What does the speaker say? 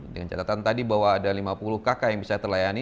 dengan catatan tadi bahwa ada lima puluh kakak yang bisa terlayani